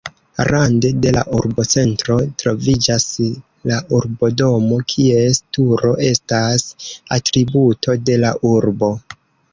Rande de la urbocentro troviĝas la urbodomo, kies turo estas atributo de la urbo.